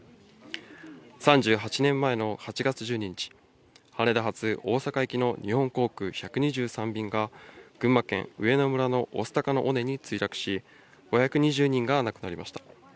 ３８年前の８月１２日、羽田発大阪行きの日本航空１２３便が群馬県上野村の御巣鷹の尾根に墜落し、５２０人が亡くなりました。